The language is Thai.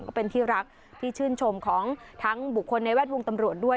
ก็เป็นที่รักที่ชื่นชมของทั้งบุคคลในแวดวงตำรวจด้วย